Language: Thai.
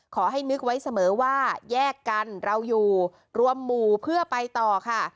ขอให้นึกไว้เสมอว่าแยกกันเราอยู่รวมหมู่เพื่อไปต่อค่ะ